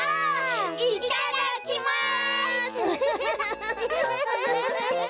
いっただっきます！